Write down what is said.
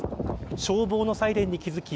消防のサイレンに気付き